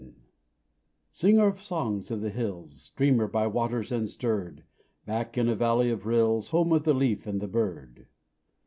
Bob Singer of songs of the hills Dreamer, by waters unstirred, Back in a valley of rills, Home of the leaf and the bird!